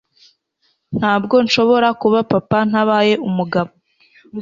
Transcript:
ntabwo nshobora kuba papa ntabaye umugabo